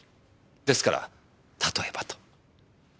ですから例えばと。